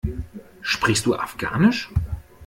Sprichst du Afghanisch?